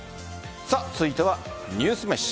続いてはニュースめし。